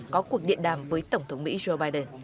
có cuộc điện đàm với tổng thống mỹ joe biden